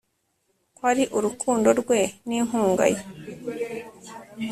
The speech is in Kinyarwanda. ko ari urukundo rwe n'inkunga ye